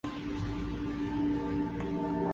Acabaron el torneo en quinta posición.